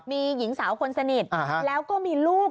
มีหญิงสาวคนสนิทแล้วก็มีลูก